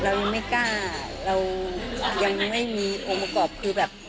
เรายังไม่กล้าเรายังไม่มีองค์ประกอบคือแบบ